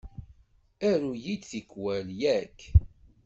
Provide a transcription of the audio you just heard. Aru-yi-d tikwal, yak?